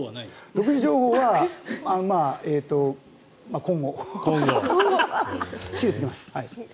独自情報はまた今度仕入れてきます。